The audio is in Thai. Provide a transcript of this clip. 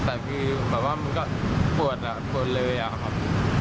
แต่คือแบบว่ามันก็ปวดอ่ะปวดเลยอะครับ